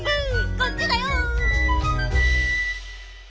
こっちだよ！